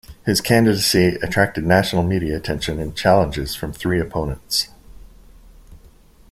His candidacy attracted national media attention, and challenges from three opponents.